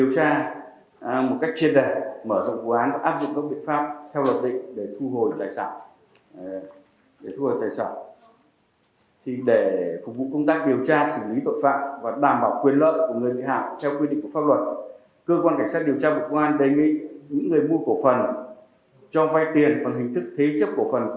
cơ quan cảnh sát điều tra bộ công an đề nghị những người mua cổ phần cho vai tiền bằng hình thức thế chấp cổ phần